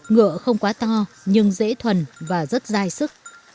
ngựa không quá to nhưng dễ thuần và rất dai sức